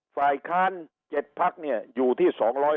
ฝ่ายค้าน๗พักอยู่ที่๒๕๖